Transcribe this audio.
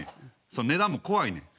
その値段も怖いねん。